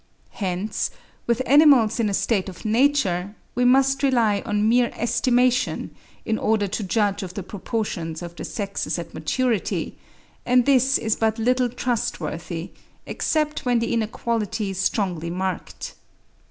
Hence, with animals in a state of nature, we must rely on mere estimation, in order to judge of the proportions of the sexes at maturity; and this is but little trustworthy, except when the inequality is strongly marked.